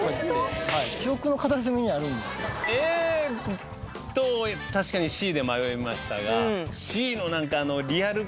Ａと確かにＣで迷いましたが。